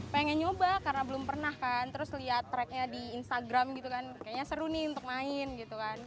pengen nyoba karena belum pernah kan terus lihat tracknya di instagram gitu kan kayaknya seru nih untuk main gitu kan